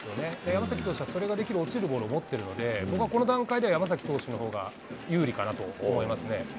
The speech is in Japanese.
山崎投手はそれができる落ちるボールを持ってるので、僕はこの段階では山崎投手のほうが有利かなと思いますね。